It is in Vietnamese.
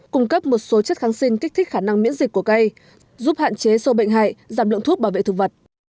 cung cấp một số chất kháng sinh kích thích khả năng miễn dịch của cây giúp hạn chế sâu bệnh hại giảm lượng thuốc bảo vệ thực vật